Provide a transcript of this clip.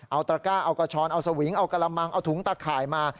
เอาตระก้าเอากระชอนเอาสวิงเอากระมังเอาถุงตะข่ายมา